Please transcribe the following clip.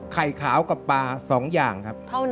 ไข่ขาวกับปลา๒อย่างครับ